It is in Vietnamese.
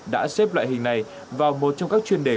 đã xếp loại hình này vào một trong các chuyên đề